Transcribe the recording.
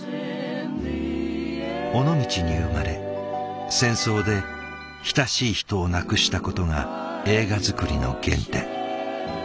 尾道に生まれ戦争で親しい人を亡くしたことが映画作りの原点。